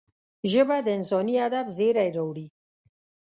ژبه د انساني ادب زېری راوړي